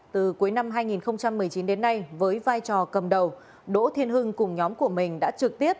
từ cuối năm hai nghìn một mươi chín đến nay với vai trò cầm đầu đỗ thiên hưng cùng nhóm của mình đã trực tiếp